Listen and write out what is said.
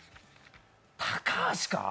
高橋か？